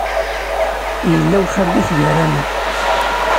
Yella uxabit gar-aneɣ.